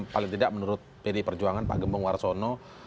paling tidak menurut pd perjuangan pak gembong warsono